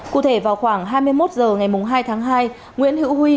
cụ thể vào khoảng hai mươi một h ngày hai tháng hai nguyễn hữu huy